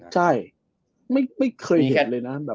ใช่ไม่เคยเห็นเลยนะ